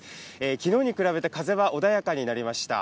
昨日に比べて風は穏やかになりました。